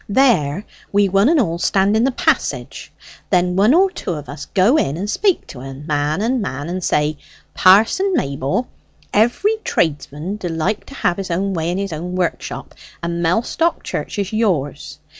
There we one and all stand in the passage, then one or two of us go in and spak to en, man and man; and say, 'Pa'son Mayble, every tradesman d'like to have his own way in his workshop, and Mellstock Church is yours.